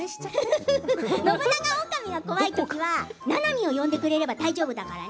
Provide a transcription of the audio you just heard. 信長オオカミが怖い時はななみを呼んでくれれば大丈夫だからね。